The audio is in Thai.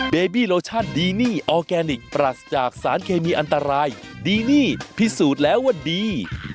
เบบี้โลชั่นดีนี่ออร์แกนิคปรัสจากสารเคมีอันตรายดีนี่พิสูจน์แล้วว่าดี